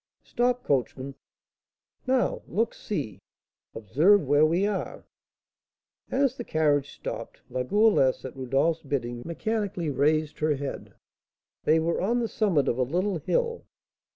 "Stop, coachman!" "Now look! see! observe where we are!" As the carriage stopped, La Goualeuse, at Rodolph's bidding, mechanically raised her head, they were on the summit of a little hill.